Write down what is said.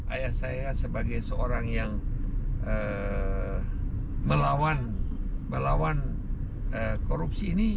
ayah saya sebagai seorang yang melawan korupsi ini